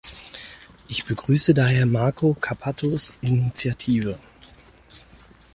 Ich begrüße daher Marco Cappatos Initiative.